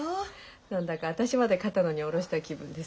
何だか私まで肩の荷下ろした気分です。